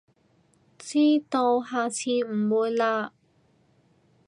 知道，下次唔會喇